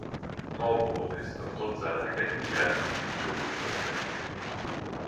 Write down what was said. Malbolge ist aufgrund seiner Gedächtnisgrenzen nicht Turing-vollständig.